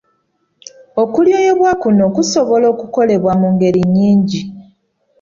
Okulyoyebwa kuno kusobola okukolebwa mu ngeri nnyingi.